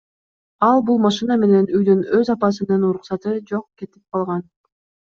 Ал бул машина менен үйдөн өз апасынын уруксаты жок кетип калган.